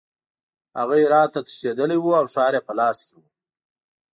هغه هرات ته تښتېدلی وو او ښار یې په لاس کې وو.